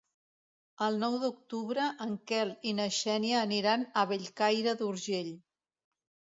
El nou d'octubre en Quel i na Xènia aniran a Bellcaire d'Urgell.